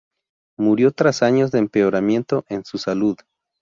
Murió tras años de empeoramiento en su salud.